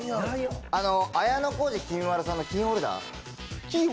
綾小路きみまろさんのキーホルダー。